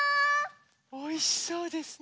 おいしそうですね。